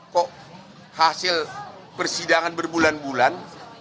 kok hasil persidangan berbulan bulan